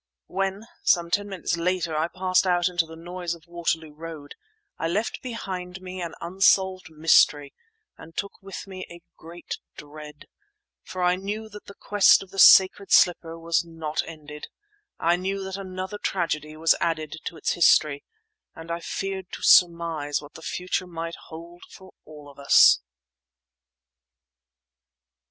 When, some ten minutes later, I passed out into the noise of Waterloo Road, I left behind me an unsolved mystery and took with me a great dread; for I knew that the quest of the sacred slipper was not ended, I knew that another tragedy was added to its history—and I feared to surmise what the future might hold for all of us.